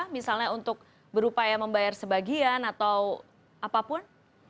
misalnya untuk berupaya membayar sebagian atau apapun